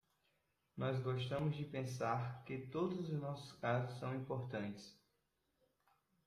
Nós gostamos de pensar que todos os nossos casos são importantes.